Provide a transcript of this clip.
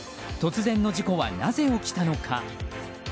突然の事故はなぜ起きたのか。